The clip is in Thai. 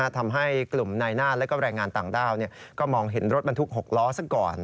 ทำให้กลุ่มนายหน้าและแรงงานต่างด้าวก็มองเห็นรถบรรทุก๖ล้อซะก่อน